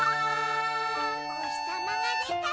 「おひさまがでたら」